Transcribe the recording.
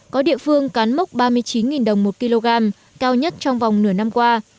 có địa phương cán mốc ba mươi chín đồng một kg cao nhất trong vòng nửa năm qua